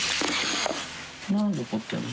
なんで怒ってんの。